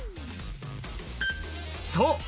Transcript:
そう！